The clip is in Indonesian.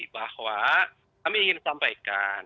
bahwa kami ingin sampaikan